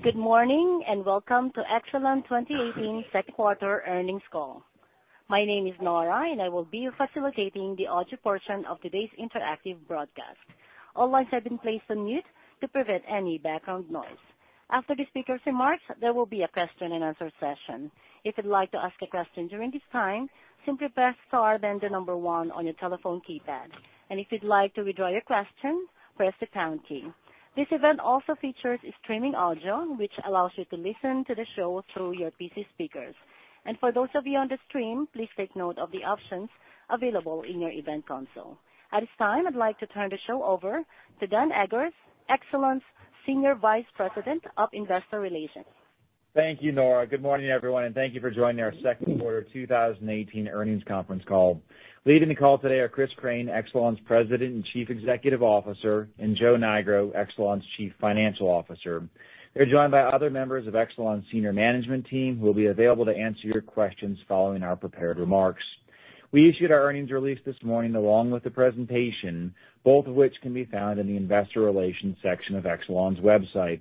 Good morning. Welcome to Exelon 2018 second quarter earnings call. My name is Nora. I will be facilitating the audio portion of today's interactive broadcast. All lines have been placed on mute to prevent any background noise. After the speaker's remarks, there will be a question and answer session. If you'd like to ask a question during this time, simply press star then the number 1 on your telephone keypad. If you'd like to withdraw your question, press the pound key. This event also features streaming audio, which allows you to listen to the show through your PC speakers. For those of you on the stream, please take note of the options available in your event console. At this time, I'd like to turn the show over to Daniel Eggers, Exelon's Senior Vice President of Investor Relations. Thank you, Nora. Good morning, everyone. Thank you for joining our second quarter 2018 earnings conference call. Leading the call today are Chris Crane, Exelon's President and Chief Executive Officer, and Joe Nigro, Exelon's Chief Financial Officer. They're joined by other members of Exelon's senior management team, who will be available to answer your questions following our prepared remarks. We issued our earnings release this morning along with the presentation, both of which can be found in the investor relations section of Exelon's website.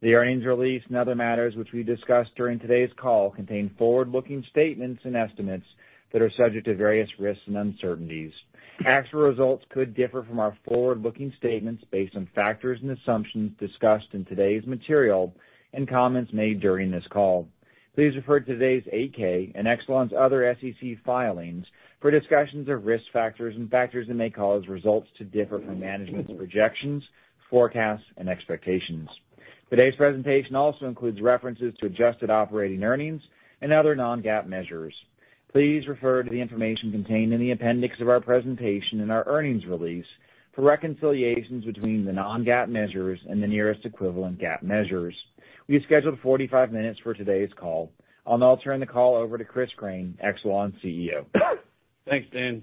The earnings release and other matters which we discussed during today's call contain forward-looking statements and estimates that are subject to various risks and uncertainties. Actual results could differ from our forward-looking statements based on factors and assumptions discussed in today's material and comments made during this call. Please refer to today's 8-K and Exelon's other SEC filings for discussions of risk factors and factors that may cause results to differ from management's projections, forecasts, and expectations. Today's presentation also includes references to adjusted operating earnings and other non-GAAP measures. Please refer to the information contained in the appendix of our presentation and our earnings release for reconciliations between the non-GAAP measures and the nearest equivalent GAAP measures. We have scheduled 45 minutes for today's call. I'll now turn the call over to Chris Crane, Exelon's CEO. Thanks, Dan.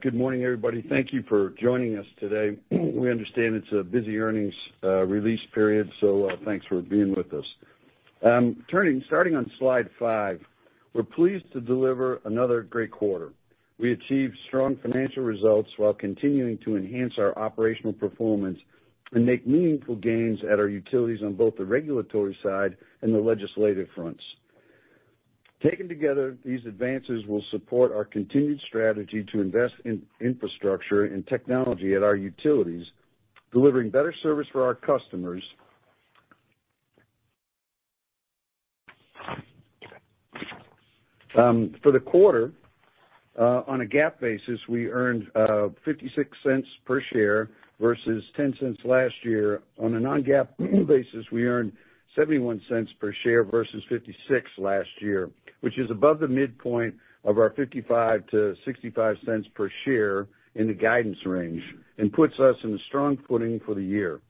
Good morning, everybody. Thank you for joining us today. We understand it's a busy earnings release period. Thanks for being with us. Starting on slide five, we're pleased to deliver another great quarter. We achieved strong financial results while continuing to enhance our operational performance and make meaningful gains at our utilities on both the regulatory side and the legislative fronts. Taken together, these advances will support our continued strategy to invest in infrastructure and technology at our utilities, delivering better service for our customers. For the quarter, on a GAAP basis, we earned $0.56 per share versus $0.10 last year. On a non-GAAP basis, we earned $0.71 per share versus $0.56 last year, which is above the midpoint of our $0.55-$0.65 per share in the guidance range and puts us in a strong footing for the year.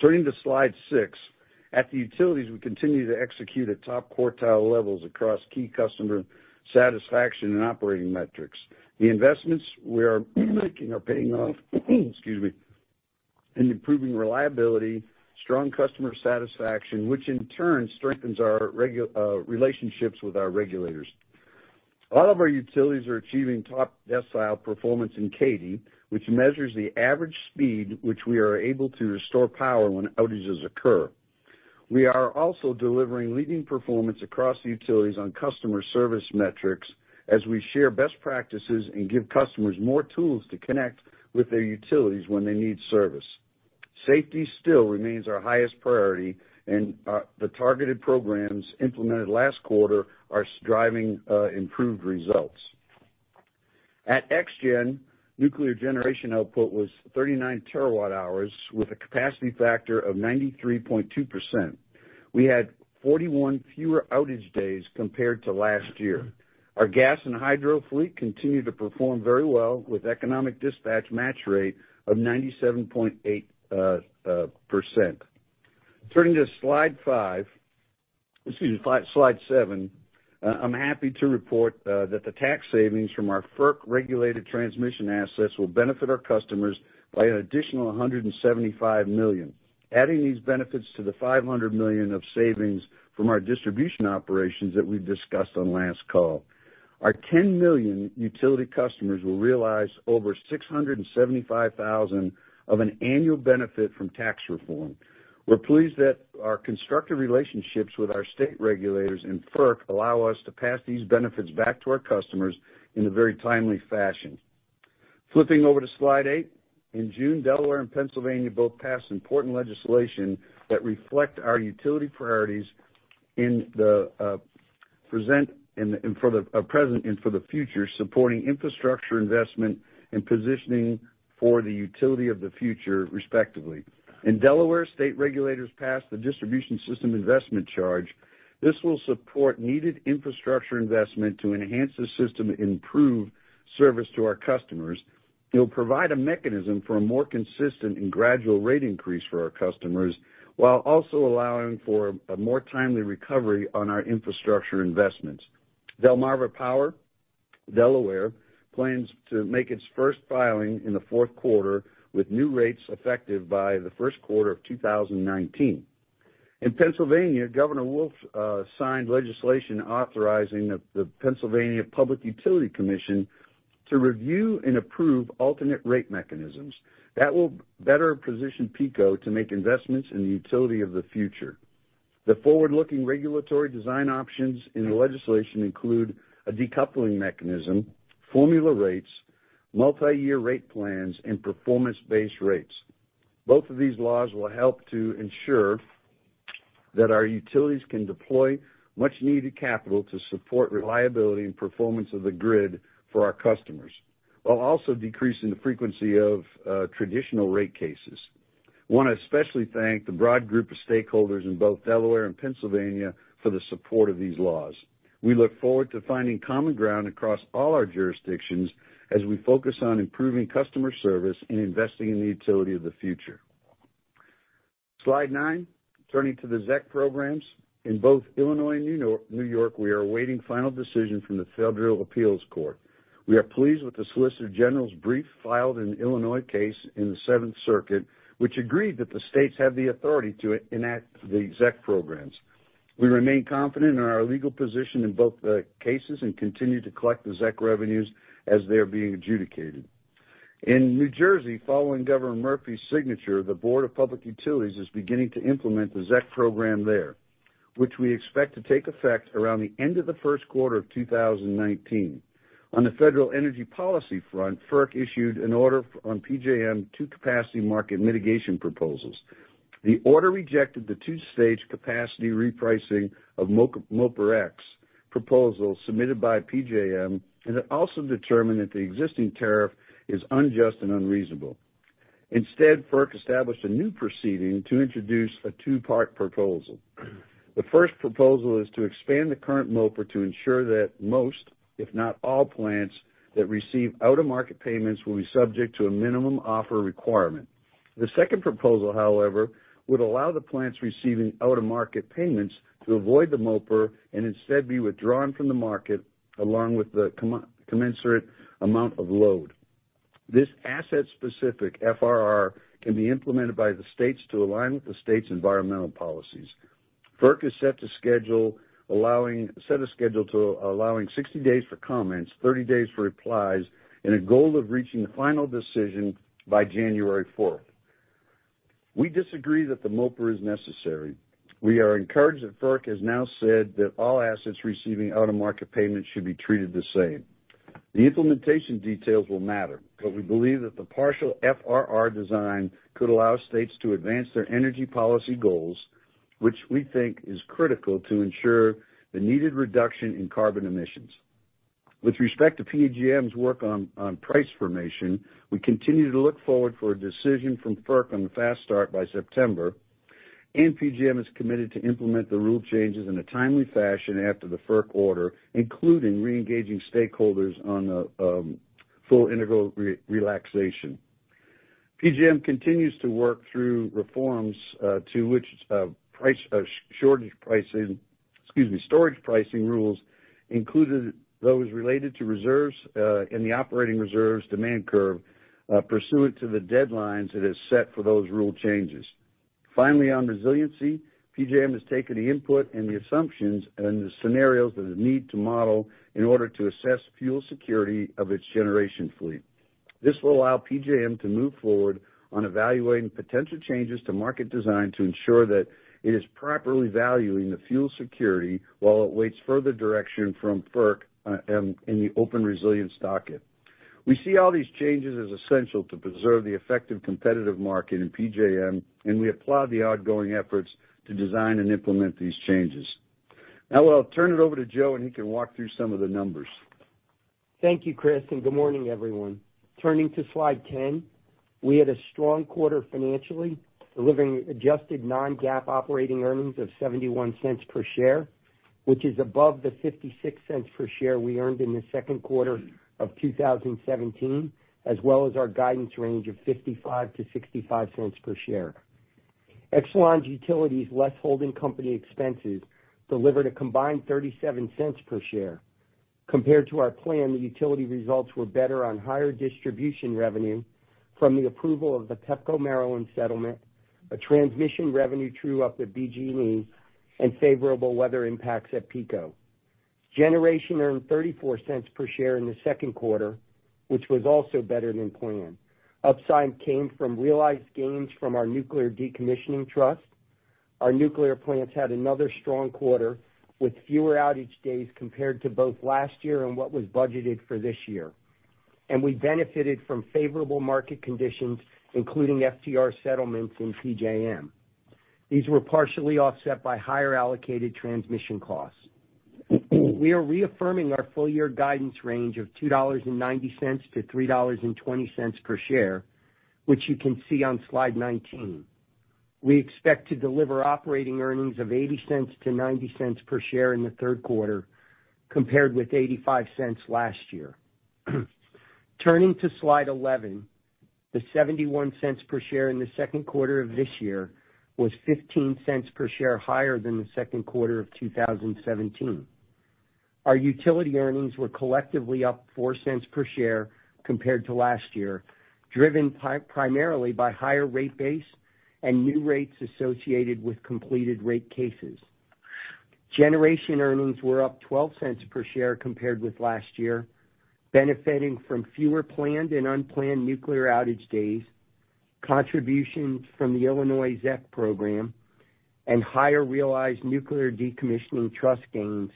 Turning to slide six. At the utilities, we continue to execute at top quartile levels across key customer satisfaction and operating metrics. The investments we are making are paying off, excuse me, in improving reliability, strong customer satisfaction, which in turn strengthens our relationships with our regulators. All of our utilities are achieving top decile performance in CAIDI, which measures the average speed which we are able to restore power when outages occur. We are also delivering leading performance across the utilities on customer service metrics as we share best practices and give customers more tools to connect with their utilities when they need service. Safety still remains our highest priority, and the targeted programs implemented last quarter are driving improved results. At ExGen, nuclear generation output was 39 terawatt-hours with a capacity factor of 93.2%. We had 41 fewer outage days compared to last year. Our gas and hydro fleet continued to perform very well with economic dispatch match rate of 97.8%. Turning to slide five, excuse me, slide seven. I'm happy to report that the tax savings from our FERC-regulated transmission assets will benefit our customers by an additional $175 million. Adding these benefits to the $500 million of savings from our distribution operations that we've discussed on last call. Our 10 million utility customers will realize over $675 million of an annual benefit from tax reform. We're pleased that our constructive relationships with our state regulators and FERC allow us to pass these benefits back to our customers in a very timely fashion. Flipping over to slide eight. In June, Delaware and Pennsylvania both passed important legislation that reflect our utility priorities for the present and for the future, supporting infrastructure investment and positioning for the utility of the future, respectively. In Delaware, state regulators passed the distribution system improvement charge. This will support needed infrastructure investment to enhance the system and improve service to our customers. It will provide a mechanism for a more consistent and gradual rate increase for our customers, while also allowing for a more timely recovery on our infrastructure investments. Delmarva Power Delaware plans to make its first filing in the fourth quarter, with new rates effective by the first quarter of 2019. In Pennsylvania, Governor Wolf signed legislation authorizing the Pennsylvania Public Utility Commission to review and approve alternate rate mechanisms that will better position PECO to make investments in the utility of the future. The forward-looking regulatory design options in the legislation include a decoupling mechanism, formula rates, multi-year rate plans, and performance-based rates. Both of these laws will help to ensure that our utilities can deploy much needed capital to support reliability and performance of the grid for our customers, while also decreasing the frequency of traditional rate cases. I want to especially thank the broad group of stakeholders in both Delaware and Pennsylvania for the support of these laws. We look forward to finding common ground across all our jurisdictions as we focus on improving customer service and investing in the utility of the future. Slide nine. Turning to the ZEC programs. In both Illinois and New York, we are awaiting final decision from the Federal Appeals Court. We are pleased with the Solicitor General's brief filed an Illinois case in the Seventh Circuit, which agreed that the states have the authority to enact the ZEC programs. We remain confident in our legal position in both cases and continue to collect the ZEC revenues as they are being adjudicated. In New Jersey, following Governor Murphy's signature, the Board of Public Utilities is beginning to implement the ZEC program there, which we expect to take effect around the end of the first quarter of 2019. On the federal energy policy front, FERC issued an order on PJM 2 capacity market mitigation proposals. The order rejected the 2-stage capacity repricing of MOPR-Ex proposal submitted by PJM, and it also determined that the existing tariff is unjust and unreasonable. Instead, FERC established a new proceeding to introduce a 2-part proposal. The first proposal is to expand the current MOPR to ensure that most, if not all, plants that receive out-of-market payments will be subject to a minimum offer requirement. The second proposal, however, would allow the plants receiving out-of-market payments to avoid the MOPR and instead be withdrawn from the market along with the commensurate amount of load. This asset-specific FRR can be implemented by the states to align with the state's environmental policies. FERC has set a schedule allowing 60 days for comments, 30 days for replies, and a goal of reaching the final decision by January 4th. We disagree that the MOPR is necessary. We are encouraged that FERC has now said that all assets receiving out-of-market payments should be treated the same. The implementation details will matter, but we believe that the partial FRR design could allow states to advance their energy policy goals, which we think is critical to ensure the needed reduction in carbon emissions. With respect to PJM's work on price formation, we continue to look forward for a decision from FERC on the fast start by September. PJM is committed to implement the rule changes in a timely fashion after the FERC order, including reengaging stakeholders on the full integer relaxation. PJM continues to work through reforms to which shortage pricing, excuse me, shortage pricing rules included those related to reserves in the operating reserve demand curve, pursuant to the deadlines it has set for those rule changes. Finally, on resiliency, PJM has taken the input and the assumptions and the scenarios that it need to model in order to assess fuel security of its generation fleet. This will allow PJM to move forward on evaluating potential changes to market design to ensure that it is properly valuing the fuel security while it waits further direction from FERC in the open resilience docket. We see all these changes as essential to preserve the effective competitive market in PJM, and we applaud the ongoing efforts to design and implement these changes. Now I'll turn it over to Joe, and he can walk through some of the numbers. Thank you, Chris, and good morning, everyone. Turning to slide 10, we had a strong quarter financially, delivering adjusted non-GAAP operating earnings of $0.71 per share, which is above the $0.56 per share we earned in the second quarter of 2017, as well as our guidance range of $0.55-$0.65 per share. Exelon Utilities, less holding company expenses, delivered a combined $0.37 per share. Compared to our plan, the utility results were better on higher distribution revenue from the approval of the Pepco Maryland settlement, a transmission revenue true-up at BGE, and favorable weather impacts at PECO. Generation earned $0.34 per share in the second quarter, which was also better than planned. Upside came from realized gains from our Nuclear Decommissioning Trust. Our nuclear plants had another strong quarter, with fewer outage days compared to both last year and what was budgeted for this year. We benefited from favorable market conditions, including FTR settlements in PJM. These were partially offset by higher allocated transmission costs. We are reaffirming our full year guidance range of $2.90-$3.20 per share, which you can see on slide 19. We expect to deliver operating earnings of $0.80-$0.90 per share in the third quarter, compared with $0.85 last year. Turning to slide 11, the $0.71 per share in the second quarter of this year was $0.15 per share higher than the second quarter of 2017. Our utility earnings were collectively up $0.04 per share compared to last year, driven primarily by higher rate base and new rates associated with completed rate cases. Generation earnings were up $0.12 per share compared with last year, benefiting from fewer planned and unplanned nuclear outage days, contributions from the Illinois ZEC program, and higher realized Nuclear Decommissioning Trust gains,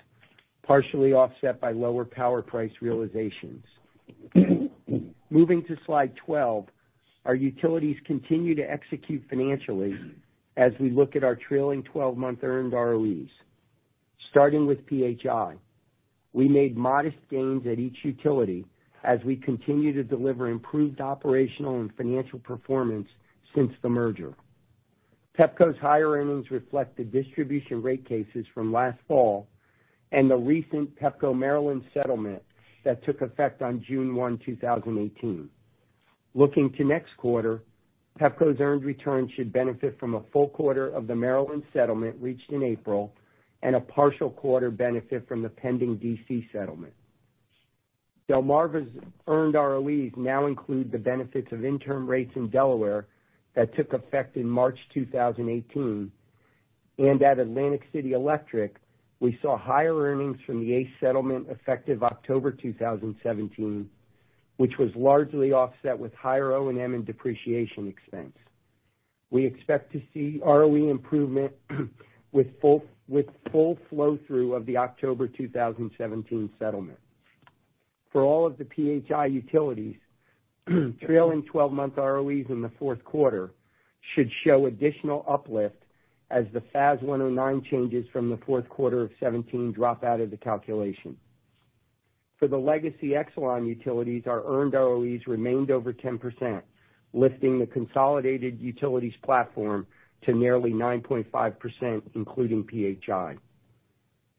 partially offset by lower power price realizations. Moving to slide 12, our utilities continue to execute financially as we look at our trailing 12-month earned ROEs. Starting with PHI, we made modest gains at each utility as we continue to deliver improved operational and financial performance since the merger. Pepco's higher earnings reflect the distribution rate cases from last fall and the recent Pepco Maryland settlement that took effect on June 1, 2018. Looking to next quarter, Pepco's earned returns should benefit from a full quarter of the Maryland settlement reached in April and a partial quarter benefit from the pending D.C. settlement. Delmarva's earned ROEs now include the benefits of interim rates in Delaware that took effect in March 2018. At Atlantic City Electric, we saw higher earnings from the ACE settlement effective October 2017, which was largely offset with higher O&M and depreciation expense. We expect to see ROE improvement with full flow-through of the October 2017 settlement. For all of the PHI utilities, trailing 12-month ROEs in the fourth quarter should show additional uplift as the FAS 109 changes from the fourth quarter of 2017 drop out of the calculation. For the legacy Exelon utilities, our earned ROEs remained over 10%, lifting the consolidated utilities platform to nearly 9.5%, including PHI.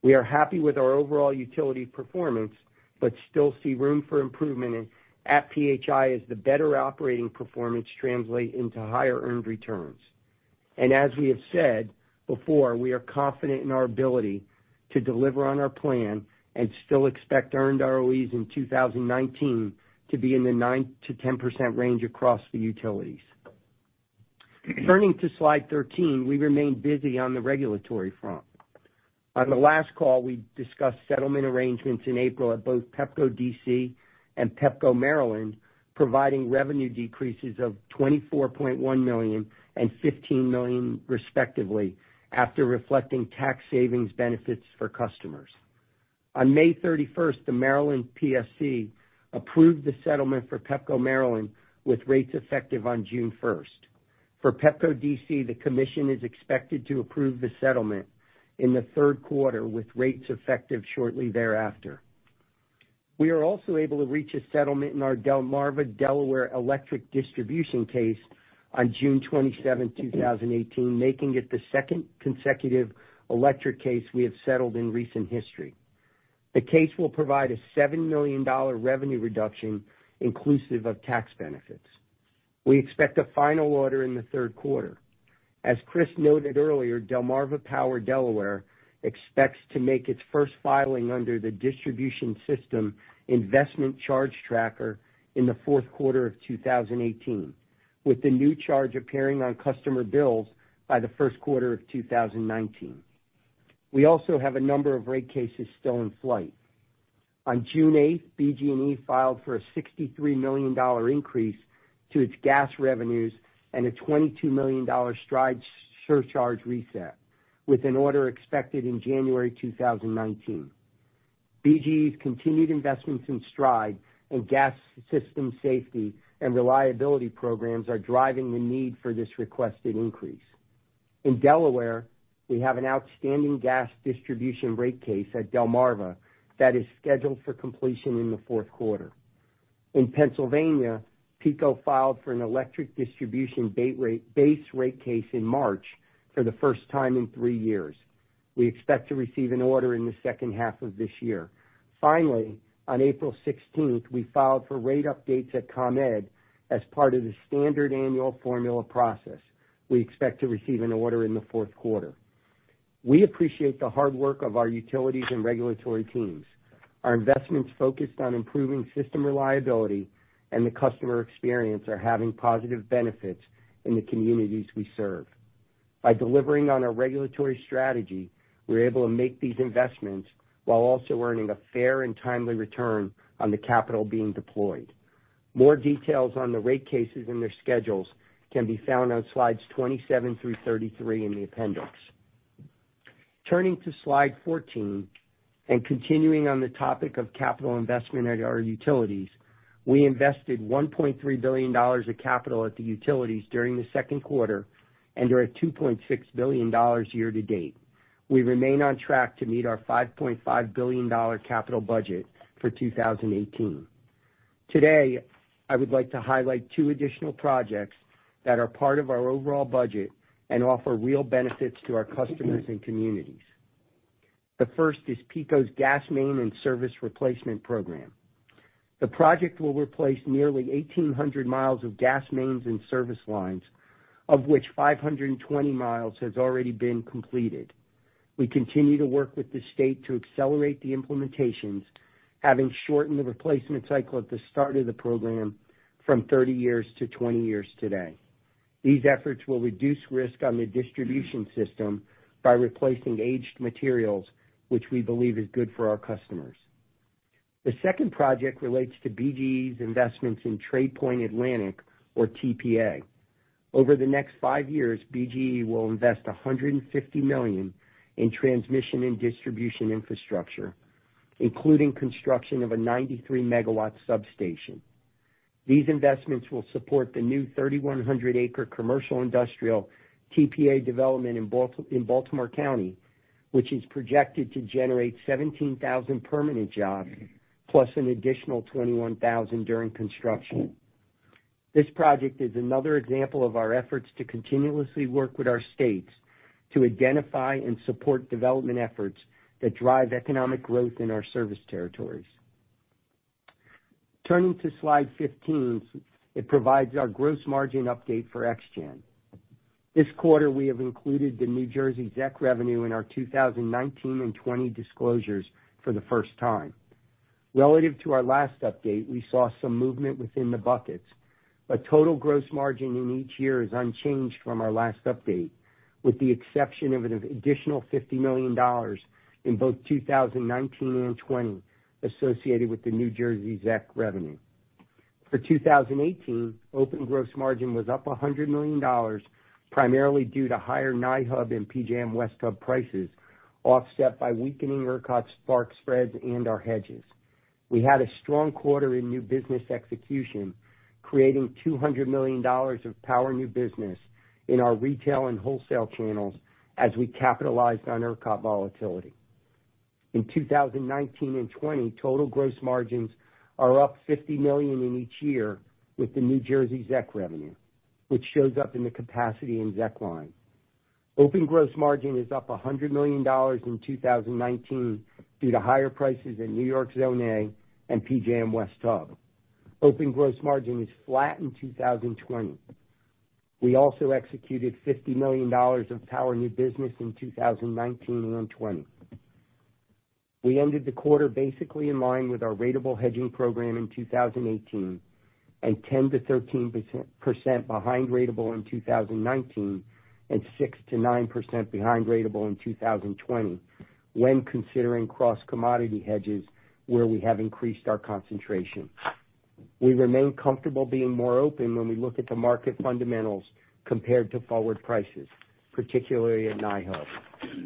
We are happy with our overall utility performance, but still see room for improvement at PHI as the better operating performance translate into higher earned returns. As we have said before, we are confident in our ability to deliver on our plan and still expect earned ROEs in 2019 to be in the 9%-10% range across the utilities. Turning to slide 13, we remain busy on the regulatory front. On the last call, we discussed settlement arrangements in April at both Pepco D.C. and Pepco Maryland, providing revenue decreases of $24.1 million and $15 million, respectively, after reflecting tax savings benefits for customers. On May 31st, the Maryland PSC approved the settlement for Pepco Maryland with rates effective on June 1st. For Pepco D.C., the commission is expected to approve the settlement in the third quarter, with rates effective shortly thereafter. We are also able to reach a settlement in our Delmarva Delaware Electric distribution case on June 27, 2018, making it the second consecutive electric case we have settled in recent history. The case will provide a $7 million revenue reduction, inclusive of tax benefits. We expect a final order in the third quarter. As Chris noted earlier, Delmarva Power Delaware expects to make its first filing under the distribution system investment charge tracker in the fourth quarter of 2018, with the new charge appearing on customer bills by the first quarter of 2019. We also have a number of rate cases still in flight. On June 8th, BGE filed for a $63 million increase to its gas revenues and a $22 million STRIDE surcharge reset, with an order expected in January 2019. BGE's continued investments in STRIDE and gas system safety and reliability programs are driving the need for this requested increase. In Delaware, we have an outstanding gas distribution rate case at Delmarva that is scheduled for completion in the fourth quarter. In Pennsylvania, PECO filed for an electric distribution base rate case in March for the first time in three years. We expect to receive an order in the second half of this year. On April 16th, we filed for rate updates at ComEd as part of the standard annual formula process. We expect to receive an order in the fourth quarter. We appreciate the hard work of our utilities and regulatory teams. Our investments focused on improving system reliability and the customer experience are having positive benefits in the communities we serve. By delivering on our regulatory strategy, we're able to make these investments while also earning a fair and timely return on the capital being deployed. More details on the rate cases and their schedules can be found on slides 27 through 33 in the appendix. Slide 14 and continuing on the topic of capital investment at our utilities, we invested $1.3 billion of capital at the utilities during the second quarter and are at $2.6 billion year to date. We remain on track to meet our $5.5 billion capital budget for 2018. Today, I would like to highlight two additional projects that are part of our overall budget and offer real benefits to our customers and communities. The first is PECO's gas main and service replacement program. The project will replace nearly 1,800 miles of gas mains and service lines, of which 520 miles has already been completed. We continue to work with the state to accelerate the implementations, having shortened the replacement cycle at the start of the program from 30 years to 20 years today. These efforts will reduce risk on the distribution system by replacing aged materials, which we believe is good for our customers. The second project relates to BGE's investments in TradePoint Atlantic, or TPA. Over the next five years, BGE will invest $150 million in transmission and distribution infrastructure, including construction of a 93-megawatt substation. These investments will support the new 3,100-acre commercial industrial TPA development in Baltimore County, which is projected to generate 17,000 permanent jobs, plus an additional 21,000 during construction. This project is another example of our efforts to continuously work with our states to identify and support development efforts that drive economic growth in our service territories. Turning to slide fifteen, it provides our gross margin update for Exelon Generation. This quarter, we have included the New Jersey ZEC revenue in our 2019 and 2020 disclosures for the first time. Relative to our last update, we saw some movement within the buckets. Our total gross margin in each year is unchanged from our last update, with the exception of an additional $50 million in both 2019 and 2020 associated with the New Jersey ZEC revenue. For 2018, open gross margin was up $100 million, primarily due to higher NY Hub and PJM West Hub prices, offset by weakening ERCOT spark spreads and our hedges. We had a strong quarter in new business execution, creating $200 million of power new business in our retail and wholesale channels as we capitalized on ERCOT volatility. In 2019 and 2020, total gross margins are up $50 million in each year with the New Jersey ZEC revenue, which shows up in the capacity in ZEC line. Open gross margin is up $100 million in 2019 due to higher prices in New York Zone A and PJM West Hub. Open gross margin is flat in 2020. We also executed $50 million of power new business in 2019 and 2020. We ended the quarter basically in line with our ratable hedging program in 2018 and 10%-13% behind ratable in 2019 and 6%-9% behind ratable in 2020 when considering cross-commodity hedges where we have increased our concentration. We remain comfortable being more open when we look at the market fundamentals compared to forward prices, particularly at NY Hub.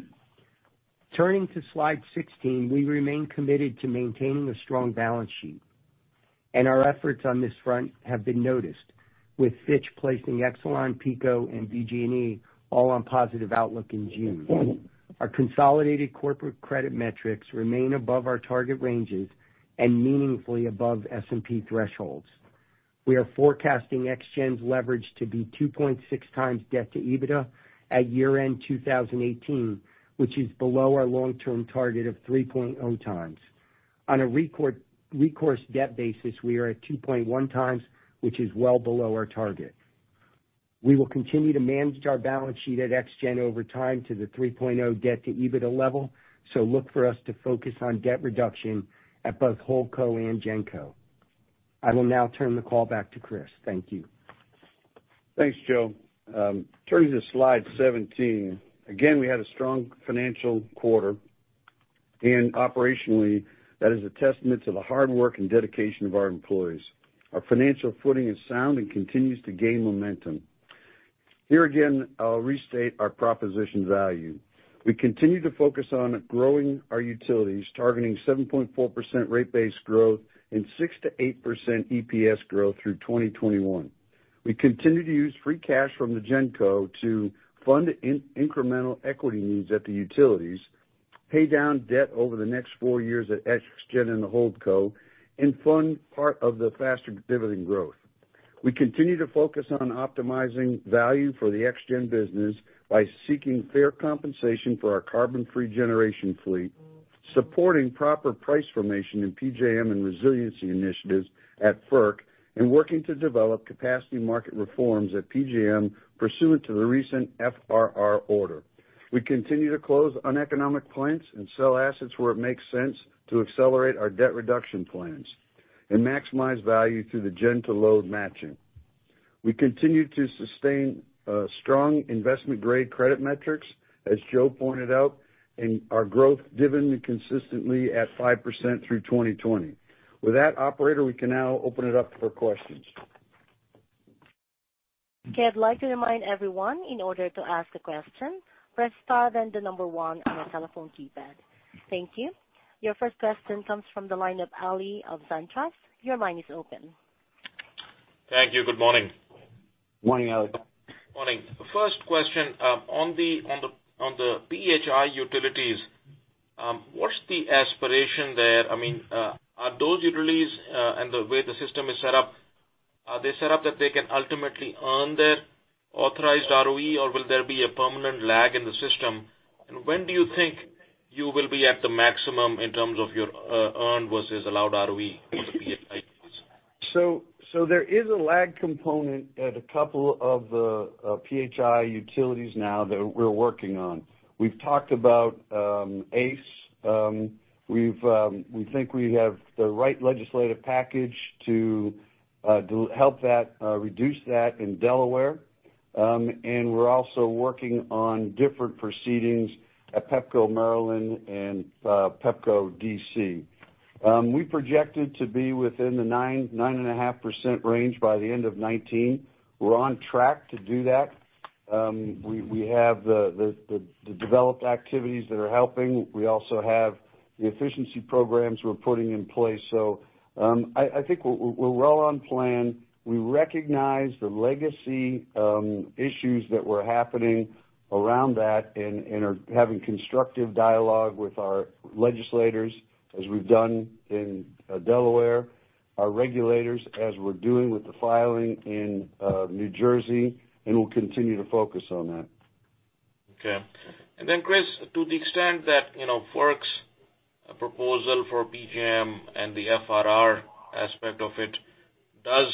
Turning to slide sixteen, we remain committed to maintaining a strong balance sheet, and our efforts on this front have been noticed, with Fitch placing Exelon, PECO, and BGE all on positive outlook in June. Our consolidated corporate credit metrics remain above our target ranges and meaningfully above S&P thresholds. We are forecasting Exelon Generation's leverage to be 2.6 times debt to EBITDA at year-end 2018, which is below our long-term target of 3.0 times. On a recourse debt basis, we are at 2.1 times, which is well below our target. We will continue to manage our balance sheet at Exelon Generation over time to the 3.0 debt to EBITDA level, so look for us to focus on debt reduction at both Holdco and Genco. I will now turn the call back to Chris. Thank you. Thanks, Joe. Turning to slide 17. Operationally, that is a testament to the hard work and dedication of our employees. Our financial footing is sound and continues to gain momentum. Here again, I'll restate our proposition value. We continue to focus on growing our utilities, targeting 7.4% rate base growth and 6%-8% EPS growth through 2021. We continue to use free cash from the Genco to fund incremental equity needs at the utilities, pay down debt over the next four years at ExGen and the Holdco, and fund part of the faster dividend growth. We continue to focus on optimizing value for the ExGen business by seeking fair compensation for our carbon-free generation fleet, supporting proper price formation in PJM and resiliency initiatives at FERC, and working to develop capacity market reforms at PJM pursuant to the recent FRR order. We continue to close uneconomic plants and sell assets where it makes sense to accelerate our debt reduction plans and maximize value through the gen to load matching. We continue to sustain strong investment-grade credit metrics, as Joe pointed out, and our growth dividend consistently at 5% through 2020. With that, operator, we can now open it up for questions. Okay. I'd like to remind everyone, in order to ask a question, press star then the number one on your telephone keypad. Thank you. Your first question comes from the line of Ali of SunTrust. Your line is open. Thank you. Good morning. Morning, Ali. Morning. First question, on the PHI utilities, what's the aspiration there? Are those utilities, and the way the system is set up, are they set up that they can ultimately earn their authorized ROE, or will there be a permanent lag in the system? When do you think you will be at the maximum in terms of your earned versus allowed ROE for the PHI utilities? There is a lag component at a couple of the PHI utilities now that we're working on. We've talked about ACE. We think we have the right legislative package to help reduce that in Delaware. We're also working on different proceedings at Pepco, Maryland, and Pepco D.C. We projected to be within the 9.5% range by the end of 2019. We're on track to do that. We have the developed activities that are helping. We also have the efficiency programs we're putting in place. I think we're well on plan. We recognize the legacy issues that were happening around that and are having constructive dialogue with our legislators, as we've done in Delaware, our regulators, as we're doing with the filing in New Jersey, we'll continue to focus on that. Okay. Then, Chris, to the extent that FERC's proposal for PJM and the FRR aspect of it does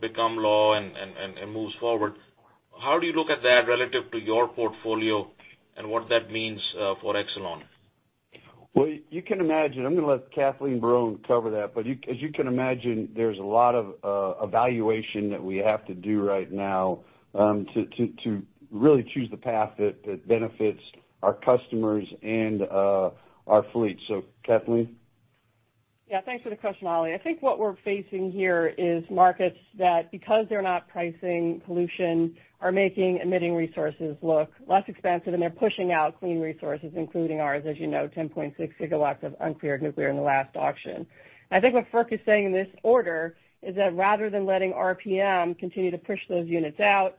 become law and moves forward, how do you look at that relative to your portfolio and what that means for Exelon? You can imagine. I'm going to let Kathleen Barron cover that, but as you can imagine, there's a lot of evaluation that we have to do right now to really choose the path that benefits our customers and our fleet. Kathleen? Thanks for the question, Ali. I think what we're facing here is markets that because they're not pricing pollution are making emitting resources look less expensive, and they're pushing out clean resources, including ours. As you know, 10.6 gigawatts of uncured nuclear in the last auction. I think what FERC is saying in this order is that rather than letting RPM continue to push those units out,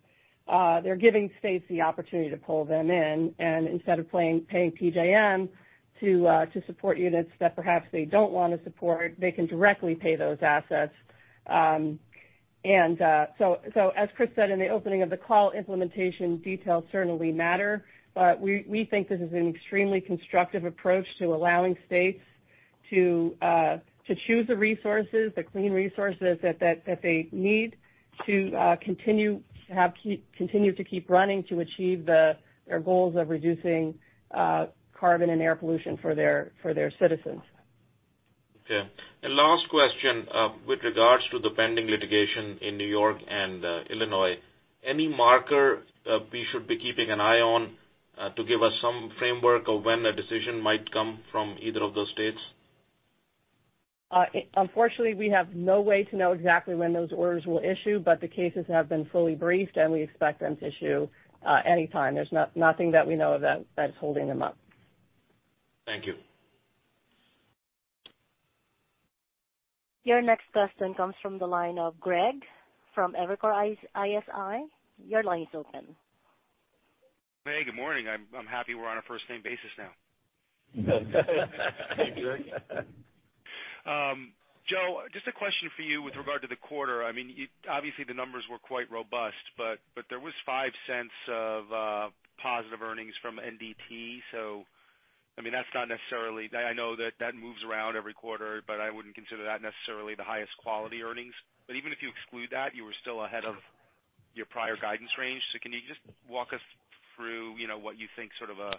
they're giving states the opportunity to pull them in. Instead of paying PJM to support units that perhaps they don't want to support, they can directly pay those assets. As Chris said in the opening of the call, implementation details certainly matter. We think this is an extremely constructive approach to allowing states to choose the resources, the clean resources that they need to continue to keep running to achieve their goals of reducing carbon and air pollution for their citizens. Okay. Last question with regards to the pending litigation in New York and Illinois. Any marker we should be keeping an eye on to give us some framework of when a decision might come from either of those dates? Unfortunately, we have no way to know exactly when those orders will issue, but the cases have been fully briefed, and we expect them to issue anytime. There's nothing that we know of that is holding them up. Thank you. Your next question comes from the line of Greg from Evercore ISI. Your line is open. Hey, good morning. I'm happy we're on a first-name basis now. Thank you, Greg. Joe, just a question for you with regard to the quarter. Obviously, the numbers were quite robust, but there was $0.05 of positive earnings from NDT. That's not necessarily— I know that that moves around every quarter, but I wouldn't consider that necessarily the highest quality earnings. Even if you exclude that, you were still ahead of your prior guidance range. Can you just walk us through what you think sort of a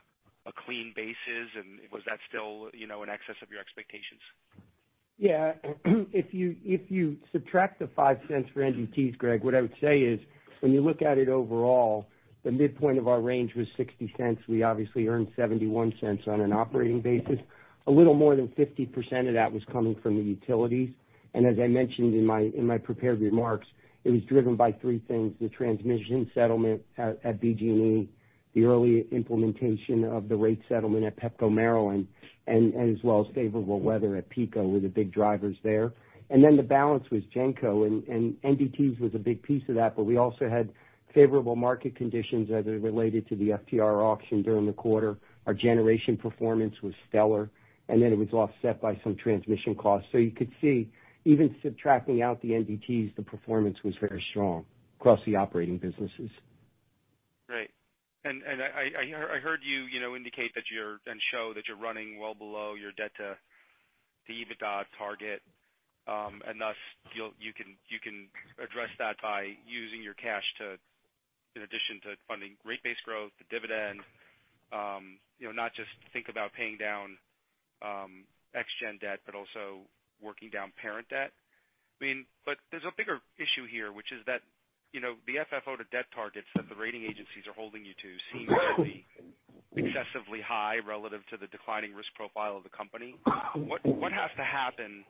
clean base is? Was that still in excess of your expectations? Yeah. If you subtract the $0.05 for NDTs, Greg, what I would say is, when you look at it overall, the midpoint of our range was $0.60. We obviously earned $0.71 on an operating basis. A little more than 50% of that was coming from the utilities. As I mentioned in my prepared remarks, it was driven by three things: the transmission settlement at BG&E, the early implementation of the rate settlement at Pepco Maryland, as well as favorable weather at PECO were the big drivers there. The balance was Genco, and NDT was a big piece of that. We also had favorable market conditions as it related to the FTR auction during the quarter. Our generation performance was stellar, it was offset by some transmission costs. You could see, even subtracting out the NDTs, the performance was very strong across the operating businesses. I heard you indicate that you're running well below your debt to EBITDA target. You can address that by using your cash in addition to funding rate-based growth, the dividend. Not just think about paying down ex-gen debt, but also working down parent debt. There's a bigger issue here, which is that the FFO to debt targets that the rating agencies are holding you to seem to be excessively high relative to the declining risk profile of the company. What has to happen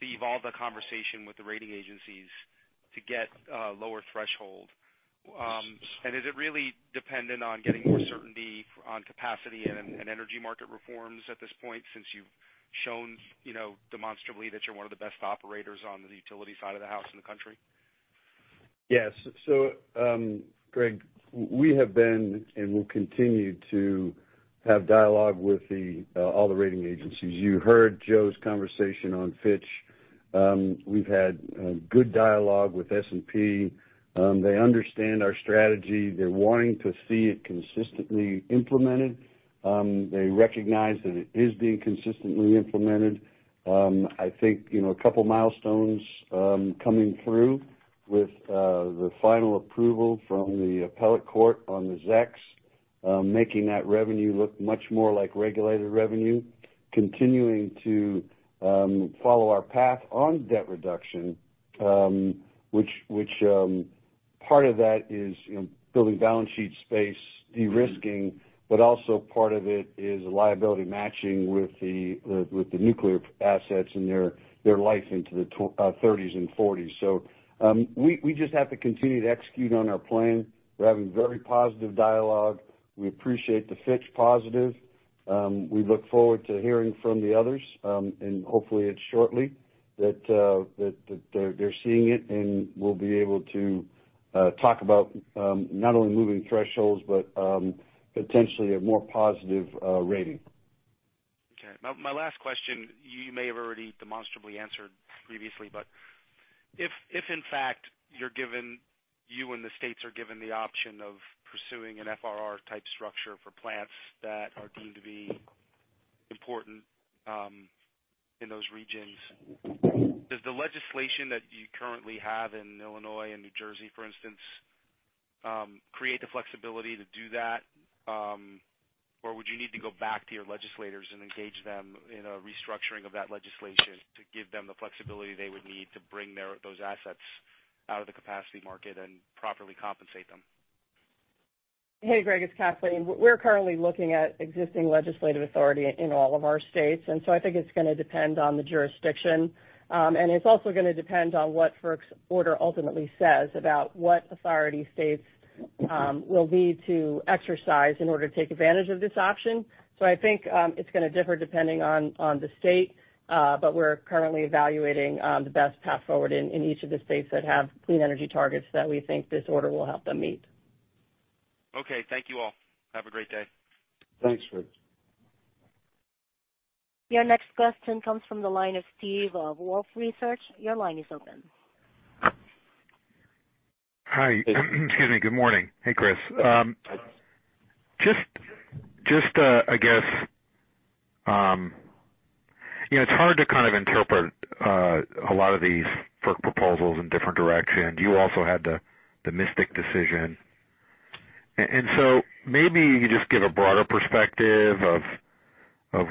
to evolve the conversation with the rating agencies to get a lower threshold? Is it really dependent on getting more certainty on capacity and energy market reforms at this point, since you've shown demonstrably that you're one of the best operators on the utility side of the house in the country? Yes, Greg, we have been and will continue to have dialogue with all the rating agencies. You heard Joe's conversation on Fitch. We've had good dialogue with S&P. They understand our strategy. They're wanting to see it consistently implemented. They recognize that it is being consistently implemented. I think a couple of milestones coming through with the final approval from the appellate court on the ZECs. Making that revenue look much more like regulated revenue, continuing to follow our path on debt reduction, which part of that is building balance sheet space, de-risking, but also part of it is liability matching with the nuclear assets and their life into the '30s and '40s. We just have to continue to execute on our plan. We're having very positive dialogue. We appreciate the Fitch positive. We look forward to hearing from the others, and hopefully it's shortly that they're seeing it, and we'll be able to talk about not only moving thresholds but potentially a more positive rating. Okay. My last question, you may have already demonstrably answered previously, but if in fact, you and the states are given the option of pursuing an FRR-type structure for plants that are deemed to be important in those regions, does the legislation that you currently have in Illinois and New Jersey, for instance, create the flexibility to do that? Or would you need to go back to your legislators and engage them in a restructuring of that legislation to give them the flexibility they would need to bring those assets out of the capacity market and properly compensate them? Hey, Greg, it's Kathleen. We're currently looking at existing legislative authority in all of our states. I think it's going to depend on the jurisdiction. It's also going to depend on what FERC's order ultimately says about what authority states will need to exercise in order to take advantage of this option. I think it's going to differ depending on the state. We're currently evaluating the best path forward in each of the states that have clean energy targets that we think this order will help them meet. Okay. Thank you all. Have a great day. Thanks, Greg. Your next question comes from the line of Steve of Wolfe Research. Your line is open. Hi. Excuse me. Good morning. Hey, Chris. Hi. Just I guess, it's hard to kind of interpret a lot of these FERC proposals in different directions. You also had the Mystic decision. Maybe you could just give a broader perspective of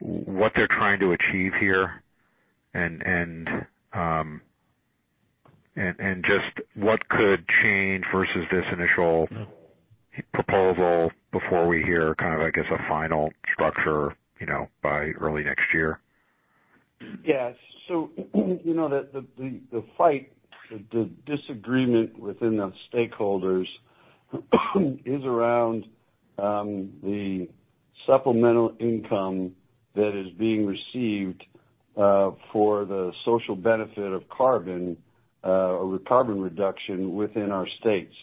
what they're trying to achieve here and just what could change versus this initial proposal before we hear kind of, I guess, a final structure by early next year. Yes. The fight, the disagreement within the stakeholders is around the supplemental income that is being received for the social benefit of carbon or carbon reduction within our states.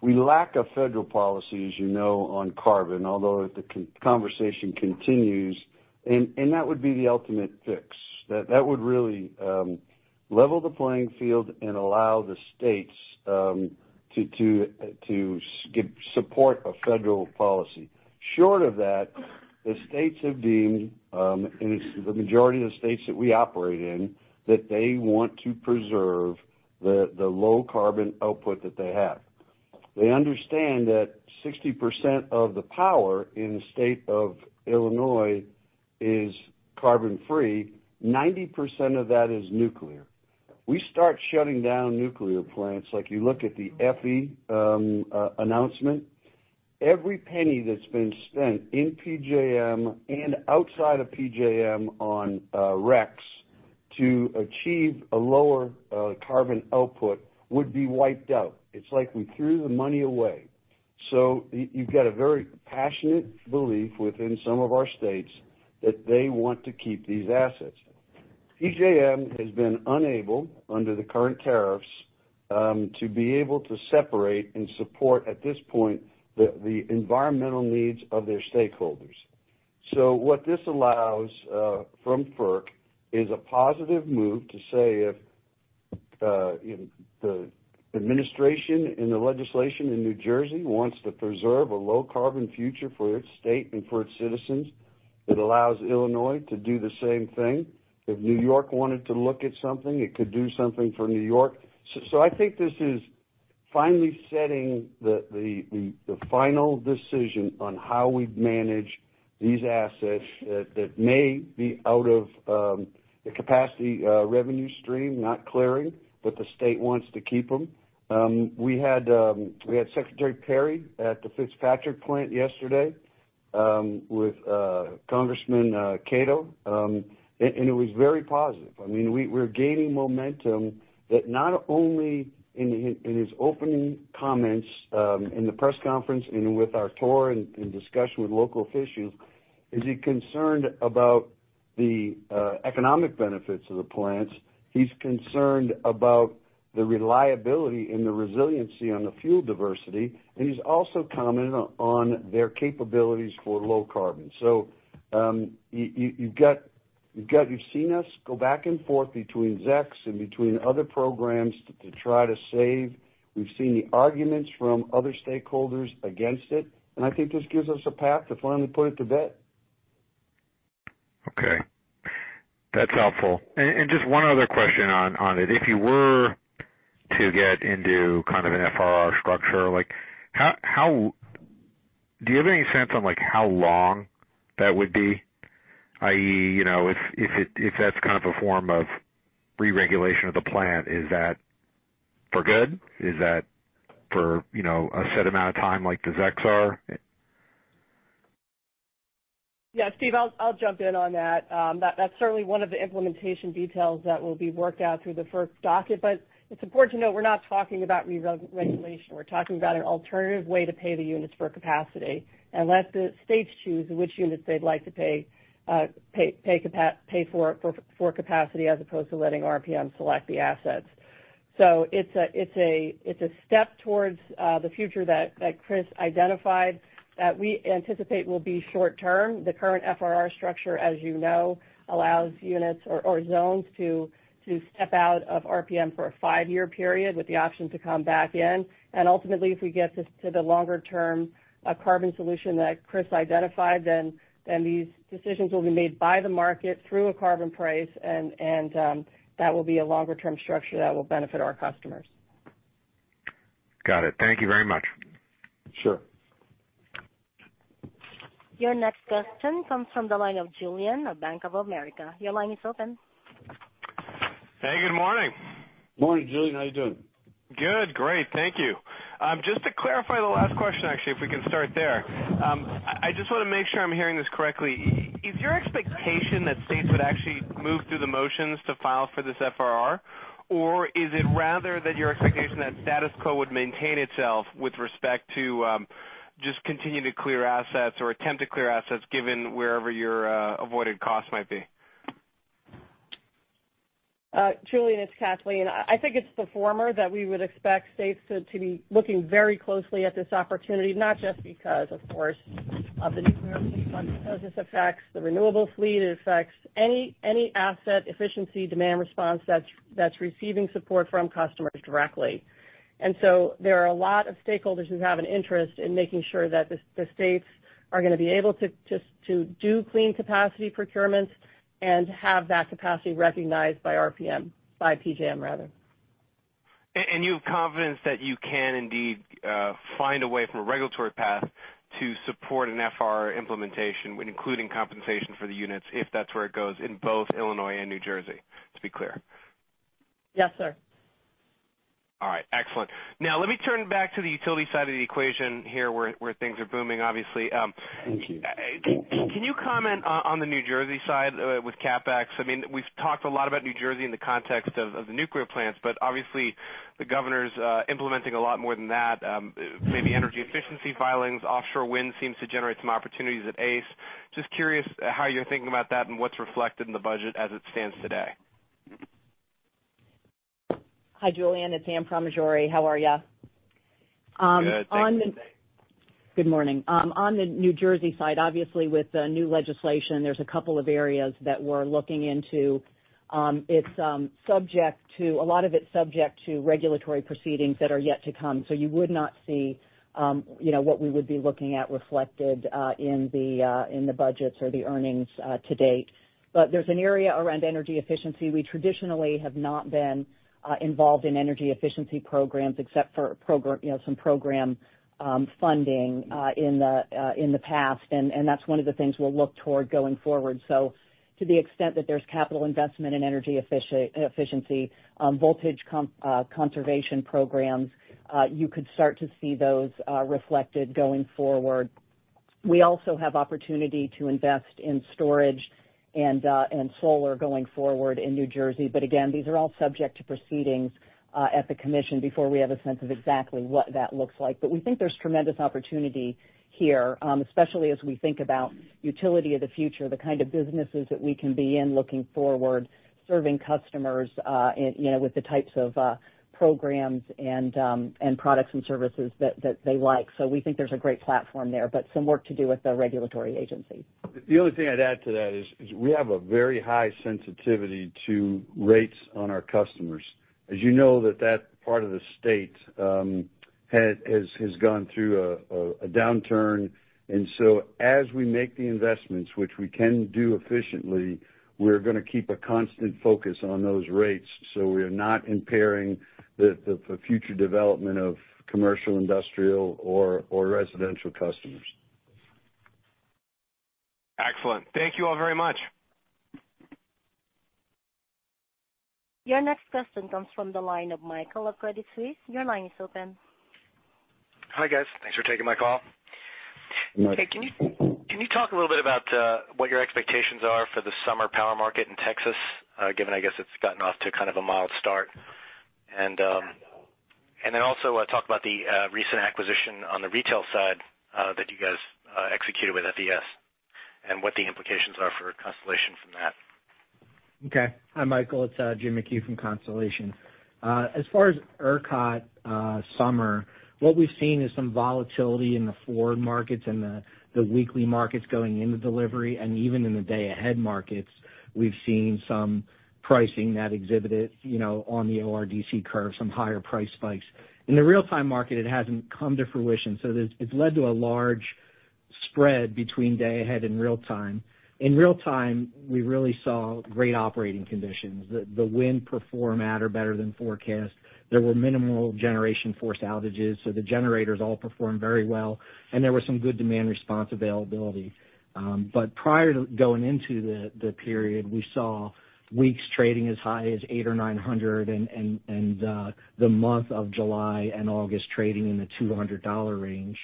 We lack a federal policy, as you know, on carbon, although the conversation continues. That would be the ultimate fix. That would really level the playing field and allow the states to get support of federal policy. Short of that, the states have deemed, and it's the majority of the states that we operate in, that they want to preserve the low carbon output that they have. They understand that 60% of the power in the state of Illinois is carbon-free. 90% of that is nuclear. We start shutting down nuclear plants, like you look at the FE announcement. Every penny that's been spent in PJM and outside of PJM on RECs to achieve a lower carbon output would be wiped out. It's like we threw the money away. You've got a very passionate belief within some of our states that they want to keep these assets. PJM has been unable, under the current tariffs, to be able to separate and support at this point the environmental needs of their stakeholders. What this allows from FERC is a positive move to say if the administration and the legislation in New Jersey wants to preserve a low carbon future for its state and for its citizens, it allows Illinois to do the same thing. If New York wanted to look at something, it could do something for New York. I think this is finally setting the final decision on how we manage these assets that may be out of the capacity revenue stream, not clearing, but the state wants to keep them. We had Secretary Perry at the Fitzpatrick plant yesterday, with Congressman Katko, and it was very positive. We're gaining momentum that not only in his opening comments, in the press conference and with our tour and discussion with local officials, is he concerned about the economic benefits of the plants. He's concerned about the reliability and the resiliency on the fuel diversity, and he's also commented on their capabilities for low carbon. You've seen us go back and forth between ZECs and between other programs to try to save. We've seen the arguments from other stakeholders against it, and I think this gives us a path to finally put it to bed. Okay. That's helpful. Just one other question on it. If you were to get into kind of an FRR structure, do you have any sense on how long that would be, i.e., if that's kind of a form of re-regulation of the plant, is that for good? Is that for a set amount of time like the ZECPs are? Yeah, Steve, I'll jump in on that. That's certainly one of the implementation details that will be worked out through the first docket. It's important to note, we're not talking about re-regulation. We're talking about an alternative way to pay the units for capacity and let the states choose which units they'd like to pay for capacity, as opposed to letting RPM select the assets. It's a step towards the future that Chris identified that we anticipate will be short-term. The current FRR structure, as you know, allows units or zones to step out of RPM for a five-year period with the option to come back in. Ultimately, if we get this to the longer-term carbon solution that Chris identified, these decisions will be made by the market through a carbon price and that will be a longer-term structure that will benefit our customers. Got it. Thank you very much. Sure. Your next question comes from the line of Julian of Bank of America. Your line is open. Hey, good morning. Morning, Julian. How you doing? Good. Great. Thank you. Just to clarify the last question, actually, if we can start there. I just want to make sure I'm hearing this correctly. Is your expectation that states would actually move through the motions to file for this FRR? Or is it rather that your expectation that status quo would maintain itself with respect to just continue to clear assets or attempt to clear assets given wherever your avoided cost might be? Julian, it's Kathleen. I think it's the former that we would expect states to be looking very closely at this opportunity, not just because, of course, of the new New Jersey fund, because this affects the renewable fleet, it affects any asset efficiency demand response that's receiving support from customers directly. There are a lot of stakeholders who have an interest in making sure that the states are going to be able to do clean capacity procurements and have that capacity recognized by RPM, by PJM rather. You have confidence that you can indeed find a way from a regulatory path to support an FRR implementation, including compensation for the units if that's where it goes in both Illinois and New Jersey, to be clear? Yes, sir. All right. Excellent. Let me turn back to the utility side of the equation here, where things are booming, obviously. Thank you. Can you comment on the New Jersey side with CapEx? We've talked a lot about New Jersey in the context of the nuclear plants, but obviously the governor's implementing a lot more than that. Maybe energy efficiency filings, offshore wind seems to generate some opportunities at ACE. Just curious how you're thinking about that and what's reflected in the budget as it stands today. Hi, Julian, it's Anne Pramaggiore. How are you? Good, thanks. Good morning. On the New Jersey side, obviously with the new legislation, there's a couple of areas that we're looking into. A lot of it's subject to regulatory proceedings that are yet to come. You would not see what we would be looking at reflected in the budgets or the earnings to date. There's an area around energy efficiency. We traditionally have not been involved in energy efficiency programs except for some program funding in the past, and that's one of the things we'll look toward going forward. To the extent that there's capital investment in energy efficiency, voltage conservation programs, you could start to see those reflected going forward. We also have opportunity to invest in storage and solar going forward in New Jersey. Again, these are all subject to proceedings at the commission before we have a sense of exactly what that looks like. We think there's tremendous opportunity here, especially as we think about utility of the future, the kind of businesses that we can be in looking forward, serving customers with the types of programs and products and services that they like. We think there's a great platform there, but some work to do with the regulatory agencies. The only thing I'd add to that is we have a very high sensitivity to rates on our customers. As you know that part of the state has gone through a downturn. As we make the investments, which we can do efficiently, we're going to keep a constant focus on those rates so we're not impairing the future development of commercial, industrial, or residential customers. Excellent. Thank you all very much. Your next question comes from the line of Michael of Credit Suisse. Your line is open. Hi, guys. Thanks for taking my call. You're welcome. Can you talk a little bit about what your expectations are for the summer power market in Texas, given it's gotten off to kind of a mild start? Also talk about the recent acquisition on the retail side that you guys executed with FES and what the implications are for Constellation from that. Okay. Hi, Michael. It's Jim McHugh from Constellation. As far as ERCOT summer, what we've seen is some volatility in the forward markets and the weekly markets going into delivery and even in the day ahead markets. We've seen some pricing that exhibited on the ORDC curve, some higher price spikes. In the real-time market, it hasn't come to fruition, so it's led to a large spread between day ahead and real-time. In real-time, we really saw great operating conditions. The wind performed at or better than forecast. There were minimal generation forced outages, so the generators all performed very well, and there was some good demand response availability. Prior to going into the period, we saw weeks trading as high as $800 or $900, and the month of July and August trading in the $200 range.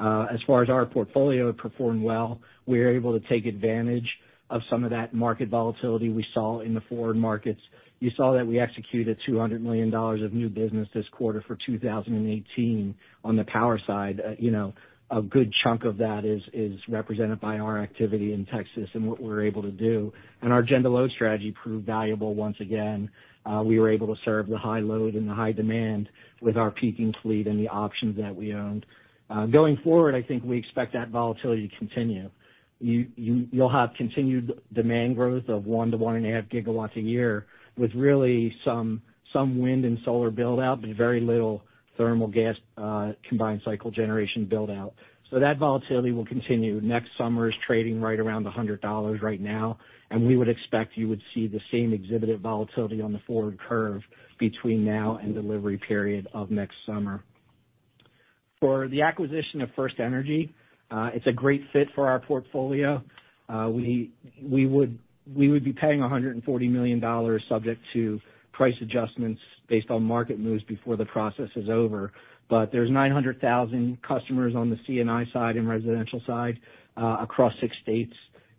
As far as our portfolio, it performed well. We were able to take advantage of some of that market volatility we saw in the forward markets. You saw that we executed $200 million of new business this quarter for 2018 on the power side. A good chunk of that is represented by our activity in Texas and what we're able to do. Our gen load strategy proved valuable once again. We were able to serve the high load and the high demand with our peaking fleet and the options that we owned. Going forward, I think we expect that volatility to continue. You'll have continued demand growth of 1 to 1.5 gigawatts a year with really some wind and solar build-out, but very little thermal gas combined cycle generation build-out. That volatility will continue. Next summer is trading right around $100 right now, and we would expect you would see the same exhibited volatility on the forward curve between now and delivery period of next summer. For the acquisition of FirstEnergy, it's a great fit for our portfolio. We would be paying $140 million subject to price adjustments based on market moves before the process is over. There's 900,000 customers on the C&I side and residential side across six states.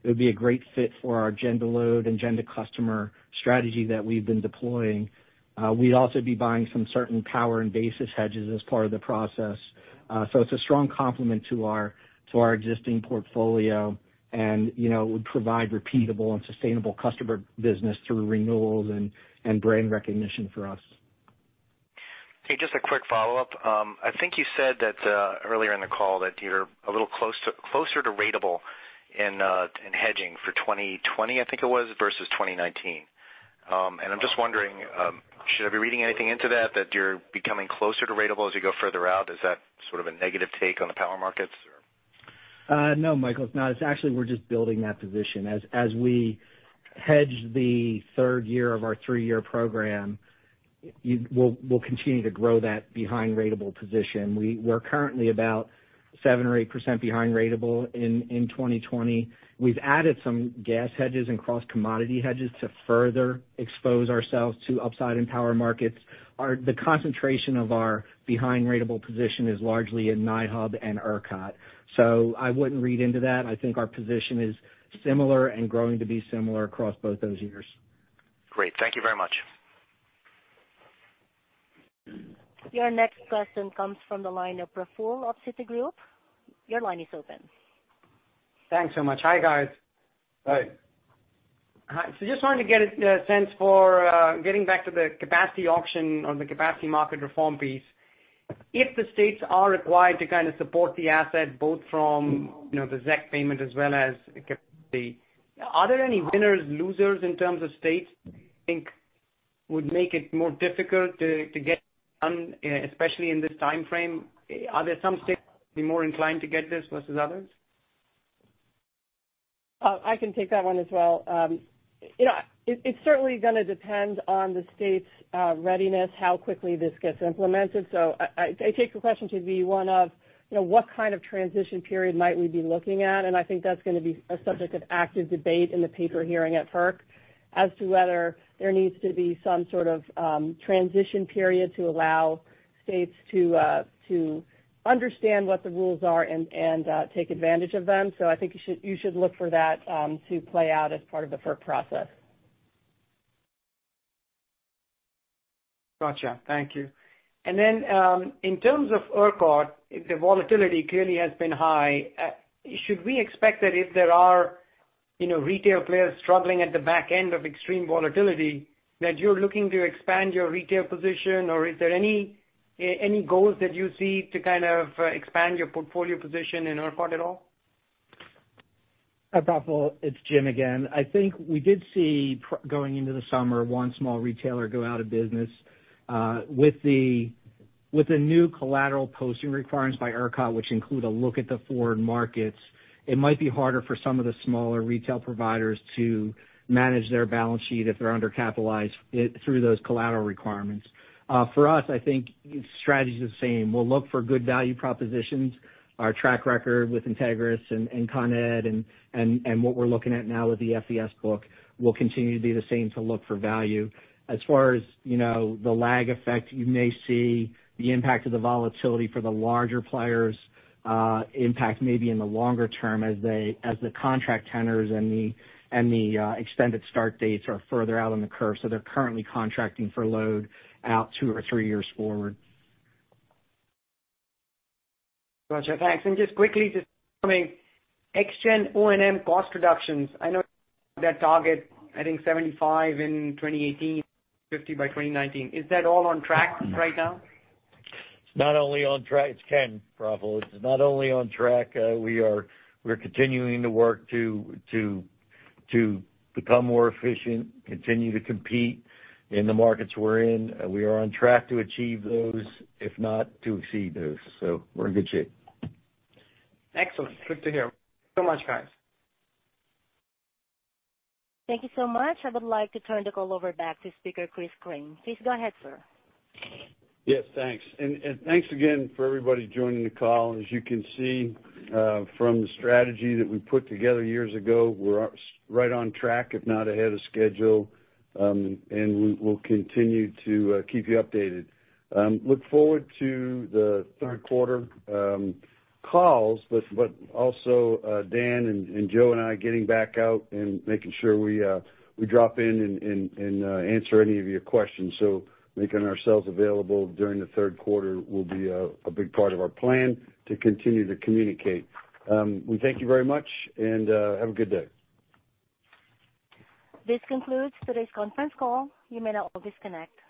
It would be a great fit for our gen to load and gen to customer strategy that we've been deploying. We'd also be buying some certain power and basis hedges as part of the process. It's a strong complement to our existing portfolio, and it would provide repeatable and sustainable customer business through renewals and brand recognition for us. Okay, just a quick follow-up. I think you said that earlier in the call that you're a little closer to ratable in hedging for 2020, I think it was, versus 2019. I'm just wondering, should I be reading anything into that you're becoming closer to ratable as you go further out? Is that sort of a negative take on the power markets or? No, Michael, it's not. It's actually we're just building that position. As we hedge the third year of our three-year program, we'll continue to grow that behind ratable position. We're currently about 7% or 8% behind ratable in 2020. We've added some gas hedges and cross-commodity hedges to further expose ourselves to upside in power markets. The concentration of our behind ratable position is largely in NY Hub and ERCOT. I wouldn't read into that. I think our position is similar and growing to be similar across both those years. Great. Thank you very much. Your next question comes from the line of Praful of Citigroup. Your line is open. Thanks so much. Hi, guys. Hi. Hi. Just wanted to get a sense for getting back to the capacity auction on the capacity market reform piece. If the states are required to kind of support the asset both from the ZEC payment as well as. Are there any winners, losers in terms of states you think would make it more difficult to get done, especially in this time frame? Are there some states that would be more inclined to get this versus others? I can take that one as well. It's certainly going to depend on the state's readiness, how quickly this gets implemented. I take the question to be one of what kind of transition period might we be looking at, and I think that's going to be a subject of active debate in the paper hearing at FERC as to whether there needs to be some sort of transition period to allow states to understand what the rules are and take advantage of them. I think you should look for that to play out as part of the FERC process. Gotcha. Thank you. In terms of ERCOT, the volatility clearly has been high. Should we expect that if there are retail players struggling at the back end of extreme volatility, that you're looking to expand your retail position, or is there any goals that you see to kind of expand your portfolio position in ERCOT at all? Hi, Praful. It's Jim again. I think we did see going into the summer, one small retailer go out of business. With the new collateral posting requirements by ERCOT, which include a look at the forward markets, it might be harder for some of the smaller retail providers to manage their balance sheet if they're undercapitalized through those collateral requirements. For us, I think strategy's the same. We'll look for good value propositions. Our track record with Integrys and Con Ed and what we're looking at now with the FES book will continue to be the same to look for value. As far as the lag effect, you may see the impact of the volatility for the larger players impact maybe in the longer term as the contract tenors and the extended start dates are further out on the curve. They're currently contracting for load out two or three years forward. Gotcha. Thanks. Just quickly, just coming Exelon Gen O&M cost reductions. I know that target, I think 75 in 2018, 50 by 2019. Is that all on track right now? It's not only on track. Ken, Praful. It's not only on track. We are continuing to work to become more efficient, continue to compete in the markets we're in. We are on track to achieve those, if not to exceed those. We're in good shape. Excellent. Good to hear. Thank you so much, guys. Thank you so much. I would like to turn the call over back to speaker Chris Crane. Please go ahead, sir. Yes. Thanks. Thanks again for everybody joining the call. As you can see from the strategy that we put together years ago, we're right on track, if not ahead of schedule. We'll continue to keep you updated. Look forward to the third quarter calls, but also Dan and Joe and I getting back out and making sure we drop in and answer any of your questions. Making ourselves available during the third quarter will be a big part of our plan to continue to communicate. We thank you very much, and have a good day. This concludes today's conference call. You may now all disconnect.